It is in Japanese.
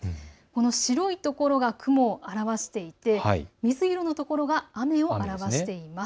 この白いところが雲を表していて水色のところが雨を表しています。